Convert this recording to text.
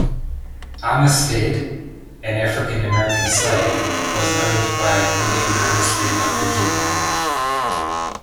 Armistead, an African-American slave, was owned by William Armistead of Virginia.